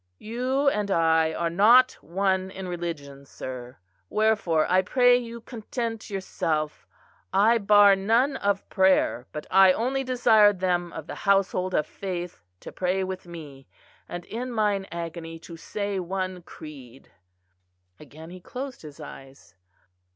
"You and I are not one in religion, sir, wherefore I pray you content yourself. I bar none of prayer, but I only desire them of the household of faith to pray with me; and in mine agony to say one creed." Again he closed his eyes.